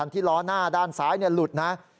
ที่ล้อหน้าด้านซ้ายหลุดนะ